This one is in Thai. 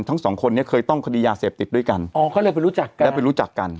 ทั้งสองคนนี้เคยต้องคดียาเสพติดด้วยกันอ๋อก็เลยไปรู้จักกันแล้วไปรู้จักกัน